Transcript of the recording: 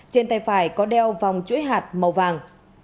trên tay phải có đeo vòng chuỗi hạt màu vàng